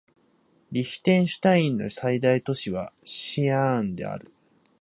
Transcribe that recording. リヒテンシュタインの最大都市はシャーンである